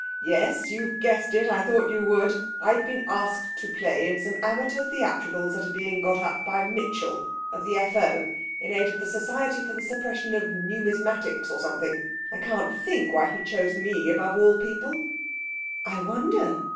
Yes! you've guessed it; I thought you would. I've been asked to play in some amateur theatricals that are being got up by Mitchell of the F O in aid of the 'Society for the Suppression of Numismatics', or something I can't think why he chose me, of all people!' 'I wonder.'